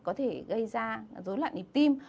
có thể gây ra dối loạn nịp tim